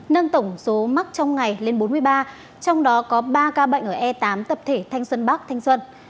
nâng tổng số mắc trong ngày lên bốn mươi ba trong đó có ba ca bệnh ở e tám tập thể thanh xuân bắc thanh xuân